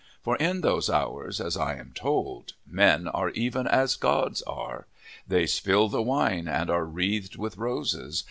For in those hours, as I am told, men are even as gods are. They spill the wine and are wreathed with roses.